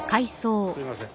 すいません。